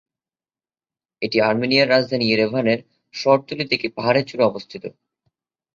এটি আর্মেনিয়ার রাজধানী ইয়েরেভান এর শহরতলীতে একটি পাহাড়ের চূড়ায় অবস্থিত।